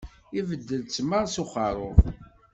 Ibeddel ttmeṛ s uxerrub.